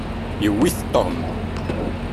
Yewwi-t Tom.